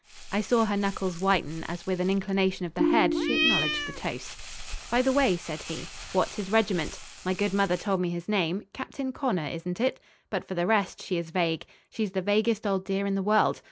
I saw her knuckles whiten as, with an inclination of the head, she acknowledged the toast. "By the way," said he, "what's his regiment? My good mother told me his name. Captain Connor, isn't it? But for the rest she is vague. She's the vaguest old dear in the world.